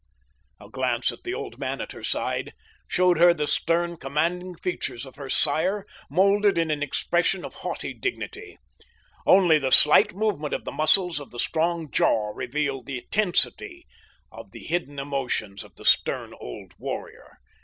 A glance at the old man at her side showed her the stern, commanding features of her sire molded in an expression of haughty dignity; only the slight movement of the muscles of the strong jaw revealed the tensity of the hidden emotions of the stern old warrior.